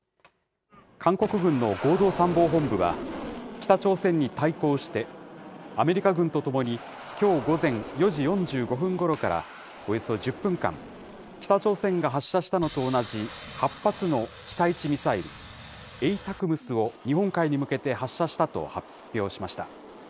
韓国軍の合同参謀本部は、北朝鮮に対抗して、アメリカ軍と共に、きょう午前４時４５分ごろからおよそ１０分間、北朝鮮が発射したのと同じ８発の地対地ミサイルＡＴＡＣＭＳを日本海に向けて発射したと発表しました。